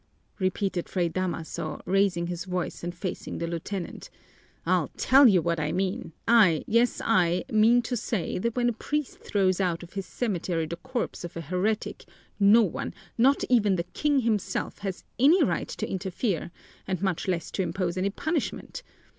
repeated Fray Damaso, raising his voice and facing the lieutenant. "I'll tell you what I mean. I, yes I, mean to say that when a priest throws out of his cemetery the corpse of a heretic, no one, not even the King himself, has any right to interfere and much less to impose any punishment!